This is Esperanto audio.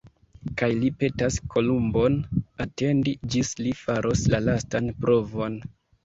Kaj li petas Kolumbon atendi, ĝis li faros la lastan provon.